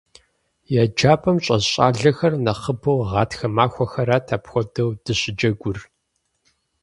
ЕджапӀэм щӏэс щӀалэхэр нэхъыбэу гъатхэ махуэхэрат апхуэдэу дыщыджэгур.